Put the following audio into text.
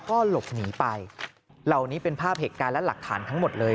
ก็หลบหนีไปเหล่านี้เป็นภาพเหตุการณ์และหลักฐานทั้งหมดเลย